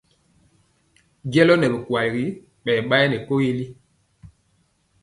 Jɛlɔ ɓa nɛ bikwagi ɓɛ ɓaani koyili.